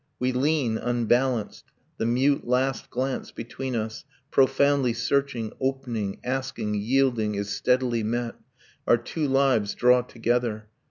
We lean unbalanced. The mute last glance between us, Profoundly searching, opening, asking, yielding, Is steadily met: our two lives draw together